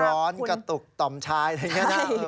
กระตุกต่อมชายอะไรอย่างนี้นะ